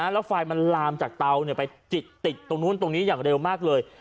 แล้วไฟรามจากเครื่องเรือเตาไปจิ่ดติดตรงนู้นตรงนี้อย่างเร็วมากเลย